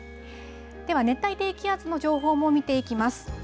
では、熱帯低気圧の情報も見ていきます。